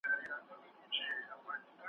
رډي سترګي یې زمري ته وې نیولي ,